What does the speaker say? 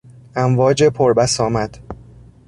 امواج پر بسامد